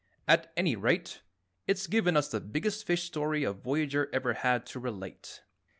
At any rate, it's given us the biggest fish story a voyager ever had to relate.